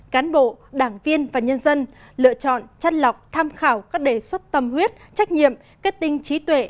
cán bộ đảng viên và nhân dân lựa chọn chất lọc tham khảo các đề xuất tâm huyết trách nhiệm kết tinh trí tuệ